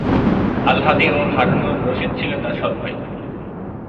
আল হাদি ও হারুনুর রশিদ ছিলেন তার সৎভাই।